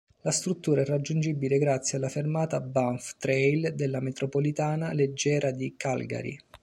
La struttura è raggiungibile grazie alla fermata Banff Trail della Metropolitana leggera di Calgary.